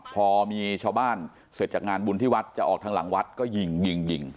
พอมีชาวบ้านเสร็จจากงานบุญที่วัดจะออกทางหลังวัดก็ยิงยิง